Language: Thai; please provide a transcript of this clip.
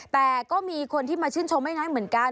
แต่ก็มีคนที่มาชื่นชมไม่งั้นเหมือนกัน